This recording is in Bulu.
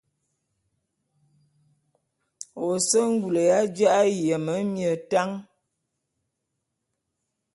Ô se ngul ya ji'a yeme mie tan.